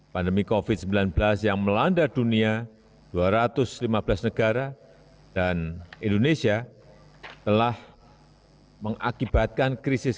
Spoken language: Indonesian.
pandemi covid sembilan belas yang melanda dunia dua ratus lima belas negara dan indonesia telah mengakibatkan krisis